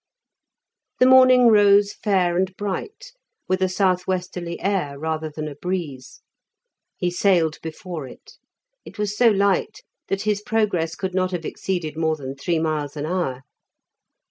The morning rose fair and bright, with a south westerly air rather than a breeze. He sailed before it; it was so light that his progress could not have exceeded more than three miles an hour.